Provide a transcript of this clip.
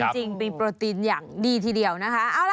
จริงเป็นโปรตีนอย่างดีทีเดียวนะคะ